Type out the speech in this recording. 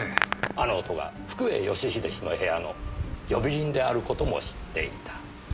あの音が福栄義英氏の部屋の呼び鈴である事も知っていた。